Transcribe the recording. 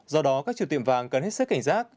do đó các chủ tiệm vàng cần hết sức cảnh giác